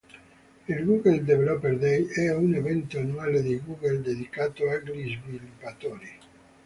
Il "Google Developer Day" è un evento annuale di Google dedicato agli sviluppatori.